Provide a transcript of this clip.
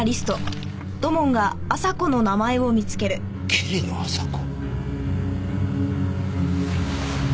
「桐野朝子」。